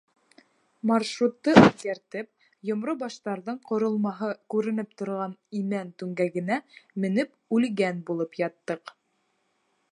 Маршрутты үҙгәртеп, Йомро баштарҙың ҡоролмаһы күренеп торған имән түңгәгенә менеп «үлгән» булып яттыҡ.